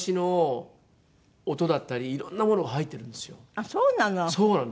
あっそうなの？